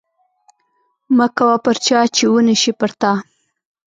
مه کوه پر چا چې ونشي پر تا